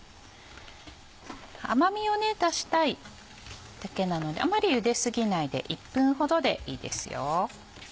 甘みを出したいだけなのであまりゆで過ぎないで１分ほどでいいですよ。